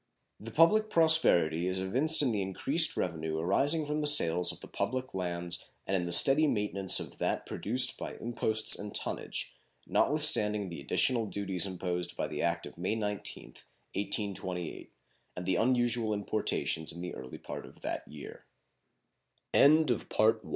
The public prosperity is evinced in the increased revenue arising from the sales of the public lands and in the steady maintenance of that produced by imposts and tonnage, not withstanding the additional duties imposed by the act of May 19th, 1828, and the unusual importations in the early part of t